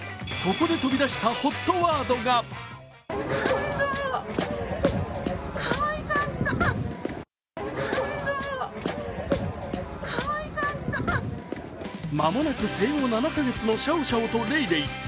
ここで飛び出したＨＯＴワードが間もなく生後７カ月のシャオシャオとレイレイ。